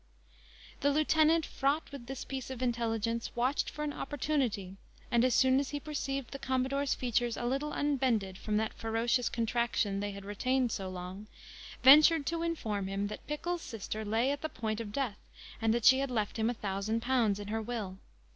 The lieutenant, fraught with this piece of intelligence, watched for an opportunity; and as soon as he perceived the commodore's features a little unbended from that ferocious contraction they had retained so long, ventured to inform him that Pickle's sister lay at the point of death, and that she had left him a thousand pounds in her will.